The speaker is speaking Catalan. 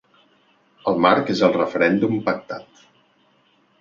El marc és el referèndum pactat.